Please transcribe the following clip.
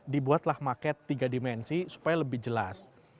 dibuatlah market tiga dimensi supaya lebih jelas